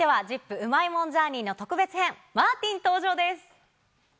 うまいもんジャーニーの特別編、マーティン登場です。